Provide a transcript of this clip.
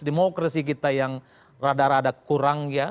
demokrasi kita yang rada rada kurang ya